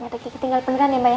daki tinggal pendekannya mbak ya